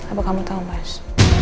apa kamu tau mas